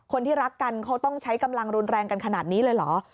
คนที่รักกันเขาต้องใช้กำลังรุนแรงกันขนาดนี้เลยเหรอ